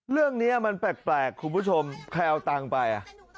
เรื่องนี้มันแปลกคุณผู้ชมแพลวตังไป